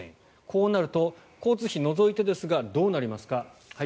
こうなると交通費を除いてですがどうなりますか。